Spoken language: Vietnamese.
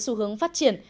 xu hướng phát triển